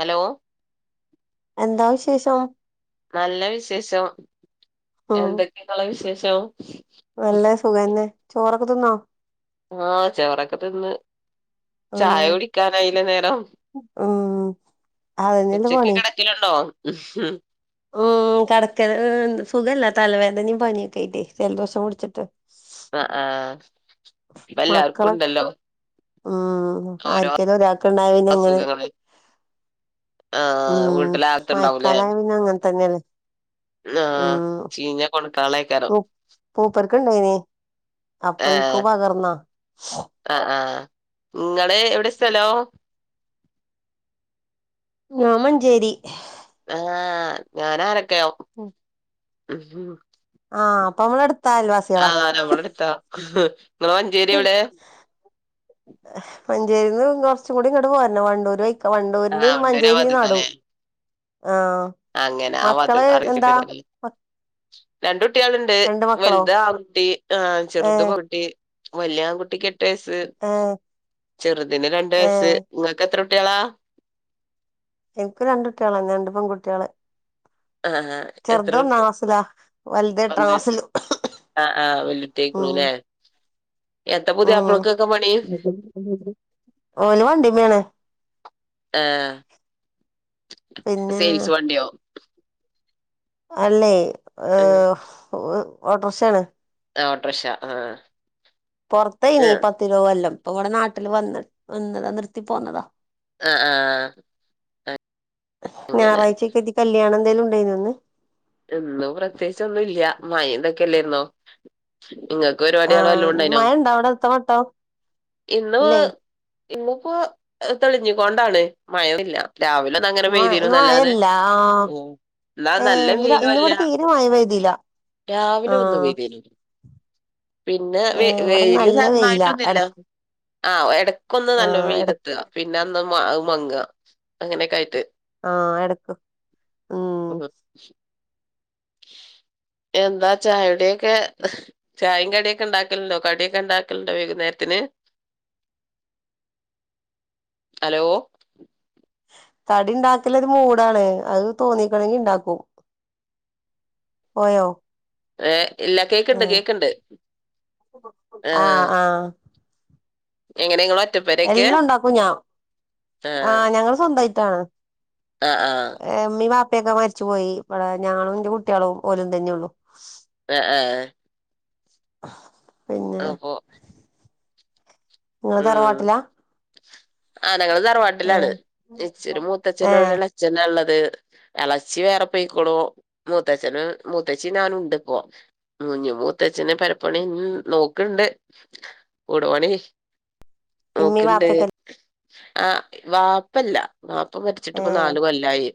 Hello എന്താ വിശേഷം നല്ല വിശേഷം ഉം എന്തൊക്കെയുള്ള വിശേഷം നല്ല സുഖന്നെ ചോറൊക്കെ തിന്നോ ആഹ് ചോറക്കത്തിന്ന് ചായ ഉം കുടിക്കാനായില്ല നേരം ഉം അതന്നെല്ലേ ഉച്ചക്ക് പണി കിട ക്കലുണ്ടോ ഉം കടക്ക മം സുഖല്ല തലവേദനയും പനിയൊക്കെ ആയിട്ട് ജലദോഷം പിടിച്ചിട്ട് അ ആഹ് മക്കളെ വല്ലാർക്കുണ്ടല്ലോ ഉം ആരിക്കല്ലും ഒരാക്ക ഉണ്ടായ പിന്നെ അങ്ങനെ അസുഖങ്ങള് ഉം ആഹ് വീട്ടില് ആകത്തുണ്ടാവൂലേ മയക്കാലായ പിന്ന അങ്ങന തന്നെയാണ് ആഹ് ചീഞ്ഞ കൊണക്കളക്ക പൂപ്പർക്ക്‌ ഇണ്ടായിന് അപ്പൊ ഇനക്ക് ആഹ് പകർന്നാ ആഹ് ആഹ് നിങ്ങള് എവിടെ സ്ഥലോ? ഞാ മഞ്ചേരി ആഹ് ഞാനാരൊക്കെയാ ഉം ഉം ആഹ് അപ്പൊ നമ്മള അടു ആഹ് രവിള എടുത്താ നിങ്ങ മഞ്ചേരി എവിടെ മഞ്ചേരിൽ നിന്ന് കുറച്ചും കൂടി ഇങ്ങട് പോരണം വണ്ടൂര് വ ആഹ് വണ്ടൂരിന്റെയും വണ്ടൂര് ആ മഞ്ചേരിയും നടു ഭാഗത്ത്ക്കാല്ലേ ആഹ് അങ്ങനെ ആവട്ട് മക്കള് എന്താ അറിയിച്ചിട്ട് വരീൻ രണ്ട കുട്ടികളുണ്ട് രണ്ട് മക്കളോ വലുത് ആങ്കുട്ടി ആ ഏ ചെറുതു പെങ്കുട്ടി വല്യ ആൺകുട്ടിക്ക് എട്ട് വയസ്സ് ഏ ചെറുതിന് രണ്ട് ഏ വയസ്സ് നിങ്ങൾക്ക് എത്ര കുട്ടികളാ? എനിക്ക് രണ്ട കുട്ടികളാണ് രണ്ട് പെൺകട്ടികള് ആഹ് എത്ര കുട്ടി ക്ലാസ്സിലാ വലുത് എട്ടാം ഒന്ന് ക്ലാസ്സില് ആഹ് ആഹ് വല്യൊട്ടിആയിരിക്കുണ് ല്ലേ പണി മം ഓല് വണ്ടി മെയാണ് ആഹ് പിന്നെ സെയിൽസ് വണ്ടിയോ അല്ലേ ആഹ് ഓട്ടോറിക്ഷയാണ് ഓട്ടോറിക്ഷ ആഹ് പൊറത്തായ്ന് ആഹ് പത്തിരുപത് കൊല്ലം ഇപ്പ ഇവിടെ നാട്ടില് വന്ന് വന്നതാ നിർത്തി പോന്നതാ ആഹ് ആഹ് അങ്ങനെ ഞായറാഴ്ചയ ക്കെതി കല്യാണം എന്തേലും ഉണ്ടായിന്ന് അന്ന് എന്നും പ്രത്യേകിച്ച് ഒന്നും ഇല്ല്യ മഴന്തൊക്കെയല്ലാരുന്നോ നിങ്ങൾക്ക് ആ പരിപാടികള് വല്ലോണ്ടായിനോ മഴ ഇണ്ടോ അവിടെ അടുത്ത വട്ടം ഇന്ന് ഇല്ലേ ഇന്നിപ്പോ തെളിഞ്ഞു പോണ്ടാണ് മഴയൂമില്ല രാവിലെ ന്നങ്ങനെ ഇന്ന് മഴ വെയ്തിന് ഇന്ന് നല്ലാതെ മഴല്ല ആ മം എന്നാ ഏ നല്ല വെ ഇന്ന് ഇന്ന് ഇവിടെ നൂലാ തീരെ മഴ പെയ്തില്ല രാവിലെ ഒന്നു ആഹ് പെയ്തീന് പിന്നെ വ ഏഹ് ഇവിടെ വെയില് നല്ല വെയിലാ തരന്നായിട്ടൊന്നില്ല എടക്ക് ആഹ ഇടയ്ക്കൊന്ന് നല്ല ആഹ് എട വെയിലിട്ട്ക പിന്നെ അന്ന് മങ്‌ക അങ്ങനെക്കെ ആയിട്ട് ആഹ് എടക്ക് ഉം എന്താ ചായടിയൊക്കെ ചായിം കടിയൊക്കെ ഇണ്ടാക്കല്ണ്ടോ കടിയൊക്കെ ഇണ്ടാക്കല്ണ്ടോ വൈകുന്നേരത്തിന് അലോ കടി ഉണ്ടാക്കലൊരു മൂടാണ് അത് തോന്നിക്ക്ണെങ്കി ണ്ടാക്കും പോയോ ഏ ഇല്ല കേക്ക്ണ്ട് ആഹ് കേക്ക്ണ്ട് ആഹ് എങ്ങനെ ഇങ്ങള എല്ലാം ഉണ്ടാക്കും ഞാ ആഹ് ഞങ്ങള് സ്വന്തായിട്ടാണ് അഹ് ആഹ് ഹ് മ്മീം പാപ്പിയൊക്കെ മരിച്ചു പോയി ഇവടേ ഞാനുംന്റെ കുട്ടികളും ഓലും തന്നെയൊള്ളു ആഹ് ആഹ് ഏഹ് ഹ അപ്പോ ങ്ങള് ഉം തറവാട്ടിലാ ആഹ് ഞങ്ങള് തറവാട്ടിലാണ് ആഹ് ഇച്ചൊരു മൂത്തച്ഛനും ഏഹ് ഒരെ ളച്ഛനു ആ ഉള്ളത് ഇളച്ചി വേറെ പൊയ്ക്കുണൂ മൂത്തച്ഛന് മൂത്തച്ചി ഞനുണ്ട് പോ ഞ്ഞ മൂത്തച്ഛന് പെരപ്പണി നോക്ക്ണ്ട് ഉടവണീ ഇമ്മിം വാപ്പിക ല്ലെ ആഹ് വാപ്പല്ല വാപ്പ മരിച്ചിട്ടിപ്പൊ ഏഹ് നാല്കൊല്ലായി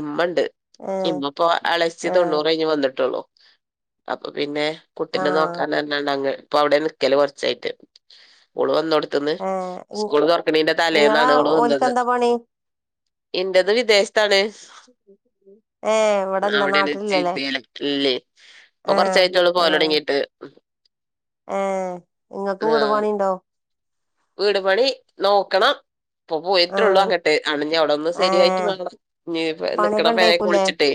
ഇമ്മണ്ട് ഏഹ് ഇമമപ്പോ എളച്ചി ആഹ് തൊണ്ണൂറ് കഴിഞ്ഞ് വന്നിട്ടൊള്ളൂ അപ്പൊ പിന്നെ കുട്ടിനെ ആഹ് നോക്കാൻ തന്നെങ്ങ് ഇപ്പൊ അവിടെ നിക്കല് കുറച്ചായിട്ട് ഓള് വന്നോട്ത്ത്ന്ന് ഏഹ് സ്കൂൾ തൊറക്കണീന്റെ ഇങ്ങളെ തലേന്നാണ് ഓള് വന്നത് ഓൽക്കെന്താ പണി ഇൻറത് വിദേശത്താണ് ഏഹ് ഇവിടെല്ല അവിടെലല്ലേ നാട്ടിലില്ലല്ലേ ജിദേൽ ഇല്ലേ പ്പൊ ആഹ് കൊറച്ചായിട്ടൊളളു ആഹ് പോവലൊടങ്ങീട്ട് ഏഹ് ഇങ്ങക്ക് ആ വീട്പണിണ്ടോ വീട് പണി നോക്കണം ഇപ്പൊ പോയിട്ടൊള്ളു ആഹ് അങ്ങട്ട് അണഞ്ഞ അവിടൊന്ന് സരിയായിട്ട് ഏഹ് വാണം ഞ് നിക്കണ പണിയൊക്കെ പെര ഇണ്ടേക്കൂലേ പൊളിച്ചിട്ടേ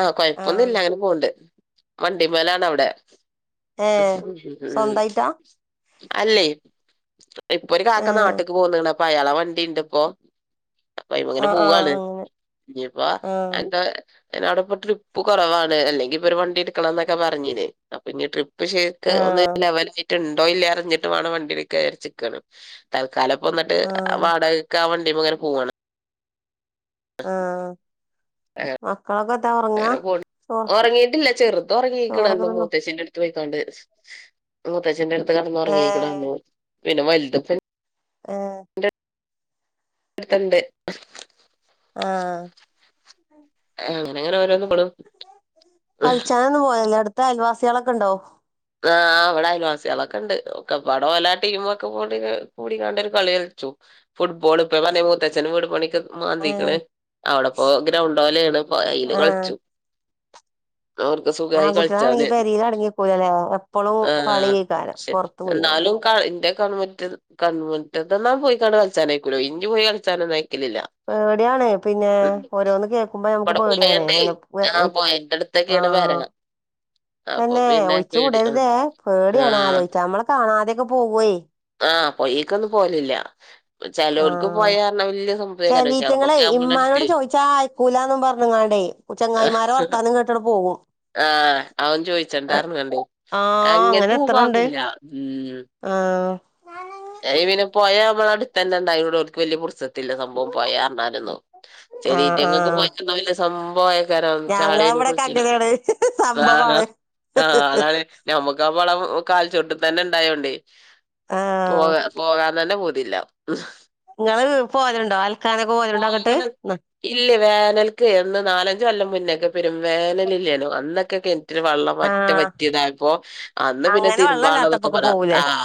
ആഹ് കൊയപ്പൊന്നുല്ല ആഹ് അങ്ങനെ പോവ്ണ്ട് വണ്ടിമലാണവ്ടെ ഏഹ് സ്വന്തായിട്ടാ അല്ലേ ഇപ്പൊ ഒരു കാക്ക ഏഹ് നാട്ടിക്ക് പോന്ന്ണ്അപ്പൊ അയാളെ വണ്ടിണ്ട് ഇപ്പോ പൈമങ്ങനെ ആഹ് ആഹ് പോവയാണ് അങ്ങനെ ഞിപ്പാ എന്താ അയിന് അവിടെ ഇപ്പോ ട്രിപ്പ് കൊറവാണ് അല്ലെങ്കി ഇപ്പൊ ഒരു വണ്ടി എടുക്കണന്നൊക്കെ പറഞ്ഞീന് അപ്പൊ ഇഞപ്പോ ട്രിപ്പ് പക്ഷേക്ക് ആഹ് ഒന്ന് ആഹ് ലെവലായിട്ട് ണ്ടോ ഇല്ലേ അറിഞ്ഞിട്ട് വേണം വണ്ടിൽ കയാരിച്ചക്കണ് തൽക്കാലം ഇപ്പന്നിട്ട് ആഹ് വാടകക്ക് ആ വണ്ടിമങ്ങനെ പോവാണ് ആഹ് മക്കളൊക്കെ എത ഒറ അങ്ങനെ പോ ഉറങ്ങീയിട്ടില്ല ചെറുതൊ റങ്ങീക്കണ് ചോറൊക്കെ തിന്നോ മൂത്തശ്ശിന്റെ അടുത്ത് പോയിക്കാണ്ട് മുത്തച്ഛന്റെടുത്ത് ഏഹ് കിടന്നുറങ്ങിക്കണ് പിന്നെ വൽത് ആഹ് എടുത്തണ്ട് ആഹ് അങ്ങനെ അങ്ങനെ ഓരോന്ന പോണു ത അയൽവാസിയൊളൊക്ക ണ്ടോ ആഹ് ഇവിടെ അയൽവാസീയോളൊക്കെണ് ഓല്ലാ ടീമും ഒക്കെ കൂടിക്കാണ്ടൊരു കളി കളിച്ചു ഫുഡ്ബോൾ ഇപ്പൊ വലെ മൂത്തച്ചന് വീട്പണിക്ക് മാന്തിക്കണ് ഏഹ് അവിടെ പോ ഗ്രൗണ്ട് പോലെയാണ് അയിൽ ആഹ് കളിച്ചു അവടുസു ആ കുട്ടികളാണെങ്കി പെരിയിലാടെ ണെങ്കി കുലല്ലേ എപ്പഴും ആഹ് കളിക്കാനം പക്ഷെ പുറത്തു പോയി എന്നാലും ഇന്റെ കണൺമുറ്റ് കൺമുറ്റതന്ന പോയി ക കളിച്ചാനയക്കല്ലോ ഇഞ് പോയി കളിച്ചാനൊന്നും അയക്കലില്ല പേടിയാണ് പിന്നെ ഉം ഓരോന്ന് കേൾക്കുമ്പോ നമക്ക് ഇവിടെ പേടിയാണ് അങ്ങനെ പു ഒയ്ക്ക് ത്തക്കെയാണ് വരങ്ങ അപ്പൊ പിന്നെ പച്ച പേടി കൂടരുതേ പേടിയാണ് ആഹ് ആലോചിച്ച നമ്മളെ കാണാതെയൊക്കെ പോവുവേ ആഹ് പൊയക്കൊന്നും പോലില്ല ആഹ പക്ഷെ ചലീറ്റങ്ങളെ നമ്മക്ക് നമ്മളെട്ത്ത് ഇമ്മാനോട് ചോദിച്ചാ ആയിക്കൂലന്നും പറഞ്ഞങ്ങാണ്ടേ ചെങ്ങായിമാരെ വർത്താനം കേട്ടഡ് പോകും ആഹ് അവൻ ചോയിച്ചണ്ടായിർന്നണ്ടേ ആഹ് അങ്ങനെ എത്രണ്ട് അങ്ങനത്തവാകില്ല ഉം ആഹ് ഏ ഇ പിന്നെ പൊയ അമ്മളെ അടുത്തന്നെ ഉണ്ടായോണ്ട് ഓൽക്ക് വല്ല്യ പുർസ ത്തില്ല സംഭവം പൊഴ അർഞ്ഞാലൊന്നും ആഹ് ഇതീറ്റങ്ങൾക്ക് ആഹ് പറ്റുന്ന വല്ല സംഭവം ആ ക്കാരം ചാടി ഒക്കെ ഞങ്ങളവിടൊക്കെ കുളിച്ച്ണ അങ്ങനെയാണ് ആഹ് സംഭവാണ് ആഹ് അതാണ് നമുക്ക് അമ്മളം കാൽച്ചുവട്ടിൽ ഇണ്ടായോണ്ട് ആഹ് പോക പോകാൻ തന്നെ പൂതില്ല നിങ്ങള് പോയൽണ്ടോ അൽക്കാന ഒക്കെ പോയല്ണ്ടോ അങ്ങട്ട് എന്ന. ഇല്ലേ വേനൽക്ക് എന്ന് നാലഞ്ച് കൊല്ലം മുന്നേ കെ പെരും വേനല് ഇല്ലേനോ അന്നൊക്കെ കെണറ്റ് വെള്ളം പറ്റ വറ്റി ആഹ് പറ്റിയതാപ്പോ അന്ന് പിന്നെ അങ്ങനെ വെള്ളല്ലാത്തപ്പൊക്കെ തിരുമ്പാളതൊക്കെപ്പെട് പോവൂലേ പആഹ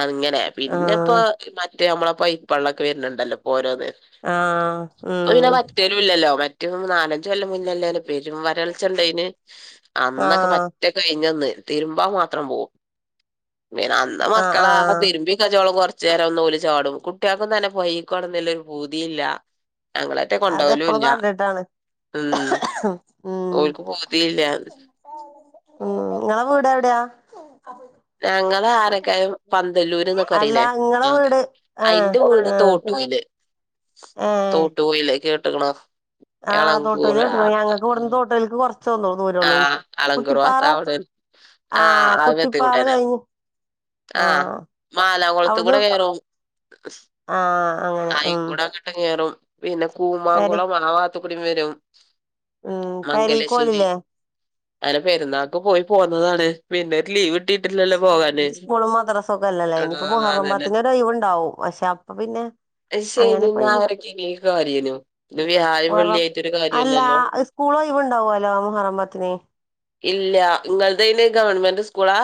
അങ്ങനെ പിന്നെ ഇപ്പ ആഹ് മറ്റേ നമ്മള ഈ പയ്പള്ളം ഒക്കെ വരുന്നുണ്ടല്ലോ ഓരോന്ന് ആഹ് ഉം തരൂല്ലല്ലോ മറ്റൊന്നും നാലഞ്ച് കൊല്ല മുന്നേല്ലാരും പെരും വരൾച്ചണ്ടയിന് അന്നൊക്കെ പ ആഹ് റ്റ കഴിഞ്ഞ തിരുമ്പാ മാത്രം പോകും പിന ആഹ് മക്കളാ ആഹ് തിരുബി കയ്യോളം ചേരം ഒന്ന് ഒല്ച്ചാടും കുട്ടികൾക്കും തന്നെ പൊയേക്കോണം ന്ന്ള്ള ഒരു പൂതിയില്ല ഞങ്ങളെ അതെപ്പളും കൊണ്ടോവലുല്ലാ കണ്ടിട്ടാണ് ഉം ഉം ഓൽക്ക് പൂതിയില്ല ഉം നിങ്ങളെ വീട് എവിടെയാ അല്ല ഇങ്ങളെ വീട് ആഹ് ആഹ് ! ! ! ! ! ! ! ! ! ! ! ! ! ! ! ! ! ! ! !! ! ! ! ! ! ! ! ! ! ! ! ! ! ! ആ അളങ്കുറു അവിടെ ആ ! ! ! ! ! ! ! ! ! ! ആഹ് അങ്ങനെ ഉം ! പെരീ ഉം പെരീക്കോലില്ലേ ! ! ! ! ! ! ! ! ! ! ! ! ! ! ! ! അങ്ങനെ പെരുന്നാൾക്ക് പോയി പോന്നതാണ് പിന്നെ ഒരു ലീവ് കിട്ടിയിട്ടില്ലല്ലോ പോകാന് സ്കൂളും മദ്രസം ഒക്കെ അല്ലല്ലേ ഇനിയിപ്പോ മുഹറ അതന്നെ പത്തിന് ഒരു ഒയിവുണ്ടാവും പക്ഷെ അപ്പൊ പിന്നെ അങ്ങനെ ശനി ഇപ്പൊ ഒഴിവുണ്ട ഞായറൊക്കെയ്നി ഒരു കാര്യയ്നു ഇത് വ്യാഴം മുഹറം വെള്ളിയ ആയിട്ടൊരു അല്ല കാര്യഇല്ലല്ലോ സ്കൂള് ഉഴിണ്ടാവു അല്ലോ മുഹറം പത്തിന് ഇല്ല ഇങ്ങൾതയ്ന് ഗവൺമെന്റ് സ്കൂളാ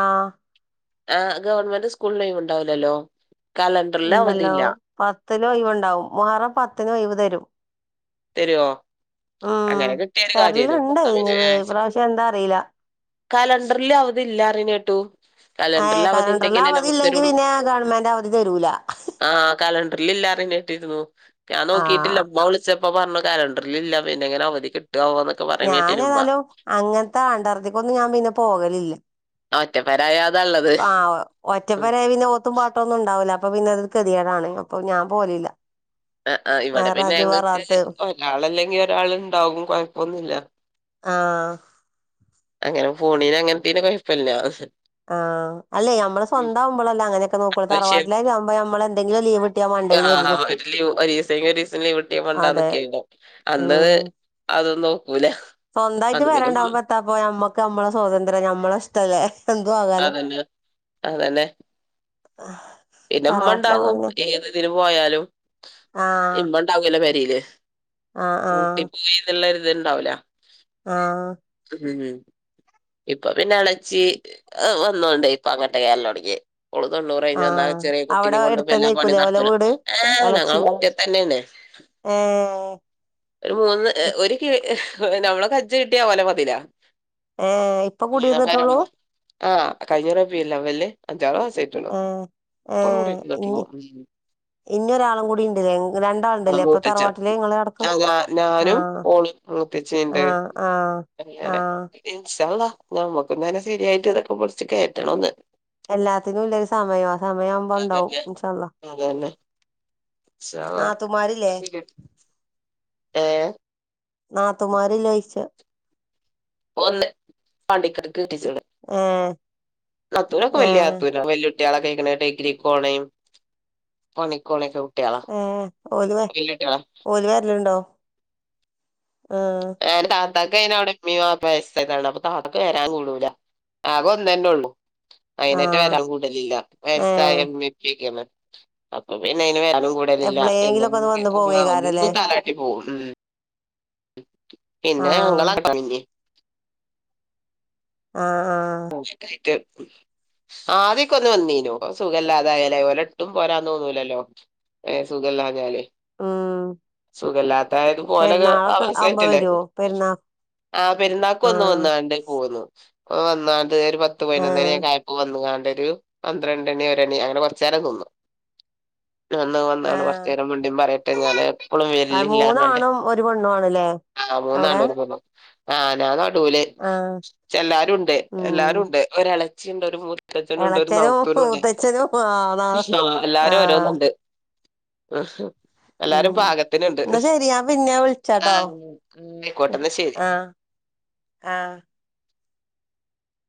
ആഹ് ആഹ് ഗവൺമെന്റ് സ്കൂളിന് ഒഴി വിണ്ടാവില്ലല്ലോ ഉണ്ടല്ലോ പത്തിന് ഒയിവുണ്ടാവും മുഹറം പത്തിന് ഒയിവ് തരും തരുവോ ഉം അങ്ങനെ കിട്ടിയ ഒരു കാര്യനു തരലുണ്ട് എന്നാ ഈ പ്രാവശ്യം എന്താ അറിയില്ല കലണ്ടറില് അവധി ഇല്ല അറി നേട്ടു ഏ കലണ്ടറില് അവധി ഇല്ലെങ്കി പിന്നെ ഗവൺമെന്റ് അവധി തരൂല ആഹ് കലണ്ടറിലില്ലാറിണെട്ടീന്നു ഞാൻ നോക്കിട്ടില്ല ആഹ് ഉമ്മ വിളിച്ച അപ്പൊ പറഞ് കലണ്ടറിലില്ല പിന്നെങ്ങനാ അവധി കിട്ടാവോന്ന് ഞാനേതാലും അങ്ങനത്തെ ആണ്ടർതിക്കൊന്നും ഞാൻ പിന്നെ പോകലില്ല ഒറ്റപ്പെരായ അതാ ഉള്ളത് ആഹ് ഉം ഒറ്റപ്പെരായപിന്നെ കാത്തും പാട്ടൊന്നുംണ്ടാവൂലാ അപ്പ പിന്നതൊര് കെധ്യേടാണ് അപ്പ ഞാ പോരൂല ആ ആ ഇവിടെ പിന്നെ ഞങ്ങക്ക് ഒരാളല്ലെങ്കി ഒരാള് ണ്ടാവും കുഴപ്പൊന്നുല്ല്യാ ആഹ് അങ്ങനെ പോണീന് അങ്ങനത്തീന് കൊഴപ്പല്ലാ ആഹ് അല്ലേ അമ്മളെ സ്വന്താവുമ്പളല്ലേ അങ്ങനൊക്കെ നോക്കൊള്ളു പക്ഷെ തറവാട്ടിലേക്കാവ്പോ നമ്മളെന്തെങ്കിലും ലീവ്ട്ട് ആഹ് ആ ഒരു ലി ഒരൂസെങ്കി ഒരൂസം ലീവ്ട്ടിയ അതെ മണ്ടാന്നിക്കാവും അന്ന് ഉം അതൊന്നുനോക്കൂല സ്വന്തായിട്ട് പെരണ്ടാവുമ്പ എത്താപ്പോ ഞമ്മക്ക് ഞമ്മളെ സ്വതന്ത്രം ഞമ്മളഷ്ടല്ലേ എന്തുആകാലോ അതന്നെ പിന്നെമ്മണ്ടാവും ഏത്തിന് പോയാലും ആഹ് ഇമ്മണ്ടാവല്ലോ പെരീല് ആഹ് ആഹ് പൂട്ടിപ്പോയിന്ന്ള്ളൊരിത്ണ്ടാവൂല ആഹ് അതന്നെ ഇപ്പൊ പിന്നെ എളച്ചി അ വന്നോണ്ടെ ഇപ്പങ്ങട്ട് കേറലൊടങ്ങീ ഓള് തൊണ്ണൂറയ്ഞ് വന്നാ ആഹ് ചെറേ അവിടെ കുട്ടിനികൊണ്ട് എല്ലാപണി എടുത്തന്നേക്കൂലേ ഓലെ നടക്കൂല വീട് ഏ ഞങ്ങളെ എളച്ചി മുറ്റതെന്നേണ്. ഏഹ് ഒരു മൂന്ന് ഒര് കിഴി നമ്മളകജ്ജട്ടിയാ ഓലമതിലാ. ഏഹ് ഇപ്പൊ ഏതാ കുടിയിരുന്നിട്ടുള്ളൂ പെരമ്മലോ ആഹ് കഴിഞ്ഞ റബിഹുൽഅവ്വൽന് അഞ്ചാറ്മാസായി ആഹ് ഏഹ് ഇഞ്ഞി ഇഞൊരാളുംകൂടിണ്ട്ലേ ഇൻങ്ങക്ക്‌ രണ്ടാള്ണ്ട്ലേ ഇപ്പൊ തറവാട്ടില് ഇങ്ങളെ അ ഞാ ഞാനും ഓള് മൂത്തച്ചീണ്ട് ആഹ് ആഹ് അങ്ങെനെ ആഹ് ഇൻസാള്ളാ ഞമ്മക്കും തന്നെ സെര്യായിട്ട് ഇതൊക്കെ പൊളിച്ച്കേറ്റണൊന്ന് എല്ലാത്തിനുല്ലൊരു സമയം ആ സമയാവുമ്പോണ്ടാവും ഇൻഷാഅള്ളാ അതന്നെ ഇൻഷാ അള്ളാ നാത്തൂമാരില്ലേ ഏഹ് നാത്തൂമാരില്ലോയ്ച്ച ഒന്ന് പാണ്ടിക്കാട്ട്ക്ക് കെട്ടിച്ച്ണ് ഏഹ് നാത്തൂനൊക്കെ ഏഹ് വല്ല്യാത്തൂനാ വല്ല്യൊട്ട്യാളൊക്കായ്ക്ക്ണ് ഡിഗ്രിക്കോനേം പണിക്കൊവ്ണെക്കെ ഏഹ് ഓല് വേ ഓല് വെര്ല്ണ്ടൊ ആഹ് ആന് താത്താക്കയ്നവ്ടെ ഇമ്മേമ് ബാപ്പേം വയസ്സായ്താണ് അപ്പൊ താത്താക്ക് വരാൻ കൂടൂല ആകെഒന്നെന്നൊള്ളു അയ്നെറ്റെ ആഹ് വരാൻ കൂടലില്ല വെയസായ ഏഹ് ഇമ്മേം ഇപ്പക്കാണ് അപ്പപിന്നയ്ന് വരാനും കൂടലില്ല എപ്പളേങ്കിലൊക്കെ ഒന്ന് എന്നെങ്കി വന്ന് പോവേക്കാരല്ലേ ഒന്ന് തലാട്ടിപോവും പിന്നെ ആഹ് ഞങ്ങളങ്ങട്ടണില്ലെ ആഹ് ആഹ് ഇങ്ങൻക്കായിട്ട് ഉം ആദ്യൊക്കൊന്ന് വന്നീനു ഇപ്പ സുഖല്ലാതായാലേ ഓലെട്ടും പോരാൻ തോന്നൂലല്ലോ ഏഹ് സുഖല്ലാഞാല് ഉം സുഖല്ലാത്തായത്പോലെ പെരുന്നാളൊക്കെ ആവുമ്പോ വയസായിട്ടല്ലേ വരുവോ പെരുന്നാ ആ പെരുന്നാക്കൊന്ന് ആഹ് വന്നാണ്ട് പോന്നു ഓ വന്നാണ്ട് ഒരു പത്ത് ആഹ് പതിനെന്നനിക്കായപ്പൊ വന്ന്ക്കാണ്ടൊരു പന്ത്രണ്ടണി ഒരണി അങ്ങനെ കൊർച്ചേരം നിന്നു ഒന്ന് വന്നാണ്ട് ആഹ് കൊർചേരം മുന്ടീം പറയട്ടെ ഞാന എപ്പളും ആ വരിലില്ലാന്നറ്ഞ്ക്കാണ്ട് മൂന്നാണും ഒരു പെണ്ണു ആണ്ല്ലേ ആ അവിടെ മൂന്നാണും ഒര് പെണ്ണും ആ ഞാനടൂല് ആഹ് ഛെല്ലാരുണ്ട് ഉം ണ്ട് ഒരളച്ചിണ്ട് ഒര് മൂ ത്തച്ചനുണ്ട് ഒരു ഇളച്ചനും നൗത്തൂനുണ്ട് മൂത്തച്ഛനും ആ നാ ആ ആ എല്ലാരും ഓരോന്ന്ണ്ട് അഹ ഉം ന്നാ ശെരി ഞാ പിന്നെ വിളിച്ചാട്ടോ ആഹ് ആയിക്കോട്ടെ ന്നാ ശരി ആഹ് ആഹ്